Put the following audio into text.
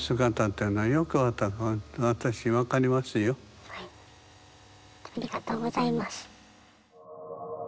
ありがとうございます。